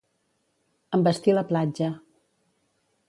Envestir la platja.